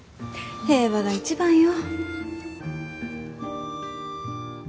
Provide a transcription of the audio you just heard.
平和が一番よ